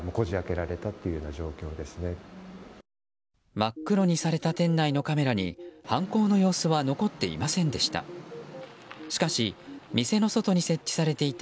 真っ黒にされた店内のカメラに犯行の様子は残っていませんでした。